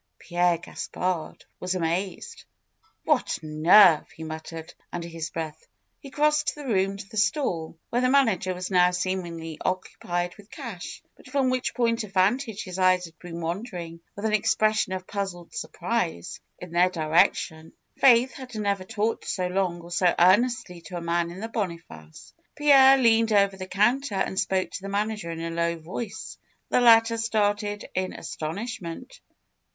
Pierre Gaspard was amazed. "What nerve!" he muttered under his breath. He crossed the room to the stall, where the man ager was now seemingly occupied with cash, but from which point of vantage his eyes had been wandering, with an expression of puzzled surprise, in their direc 276 FAITH tion. Faith had never talked so long or so earnestly to a man in the Boniface. Pierre leaned over the counter and spoke to the man ager in a low voice. The latter started in astonish ment.